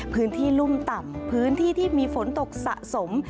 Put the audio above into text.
พื้นที่รุ่มต่ำพื้นที่ที่มีฝนตกสะสม